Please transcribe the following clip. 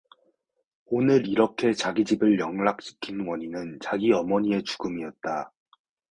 오늘 이렇게 자기 집을 영락시킨 원인은 자기 어머니의 죽음이었다.